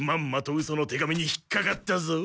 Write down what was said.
うその手紙に引っかかったぞ。